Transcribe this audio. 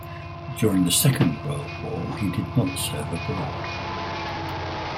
During the Second World War, he did not serve abroad.